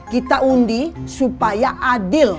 kita undi supaya adil